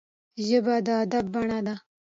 ژبه د ادب بڼه ده